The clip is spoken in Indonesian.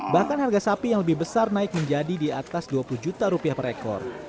bahkan harga sapi yang lebih besar naik menjadi di atas dua puluh juta rupiah per ekor